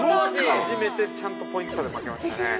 ◆初めてちゃんとポイント差で負けましたね。